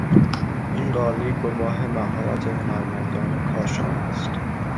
این قالی گواه مهارت هنرمندان کاشان است.